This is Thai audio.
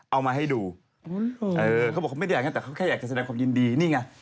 เอามาให้ดูเขาบอกเขาไม่ได้อยากให้แต่เขาแค่อยากจะแสดงความยินดีนี่ไง